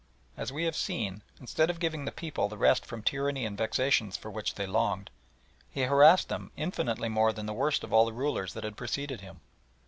As we have seen, instead of giving the people the rest from tyranny and vexations for which they longed, he harassed them infinitely more than the worst of all the rulers that had preceded him.